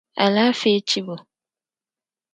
Alaafee chibi o.